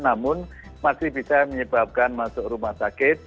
namun masih bisa menyebabkan masuk rumah sakit